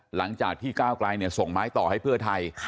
หลังจากที่ก้าวไกลส่งไม้ต่อให้เพื่อไทย